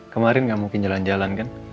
kemarin nggak mungkin jalan jalan kan